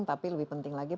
tapi lebih penting lagi